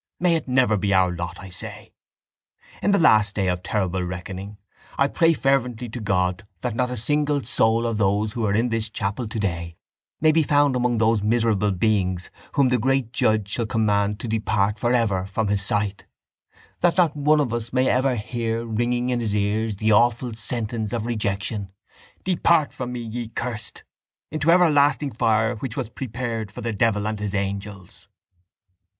May it never be our lot, I say! In the last day of terrible reckoning I pray fervently to God that not a single soul of those who are in this chapel today may be found among those miserable beings whom the Great Judge shall command to depart for ever from His sight, that not one of us may ever hear ringing in his ears the awful sentence of rejection: _Depart from me, ye cursed, into everlasting fire which was prepared for the devil and his angels!